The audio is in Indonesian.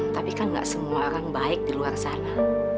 tapi kan gak semua orang baik di luar sana